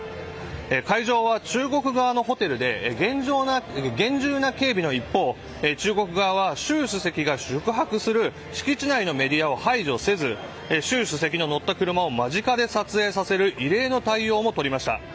会場は中国側のホテルで厳重な警備の一方中国側は習主席が宿泊する敷地内のメディアを排除せず習主席の乗った車を間近で撮影させる異例の対応を取りました。